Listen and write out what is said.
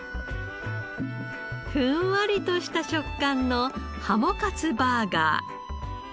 ふんわりとした食感の鱧カツバーガー。